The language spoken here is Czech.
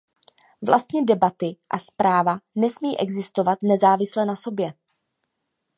Vlastně debaty a zpráva nesmí existovat nezávisle na sobě.